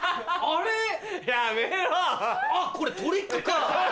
あっこれトリックか！